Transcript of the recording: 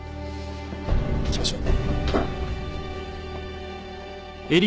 行きましょう。